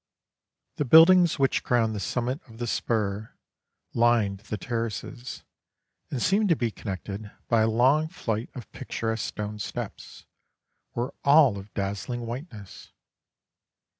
The buildings which crowned the summit of the spur, lined the terraces, and seemed to be connected by a long flight of picturesque stone steps, were all of a dazzling whiteness.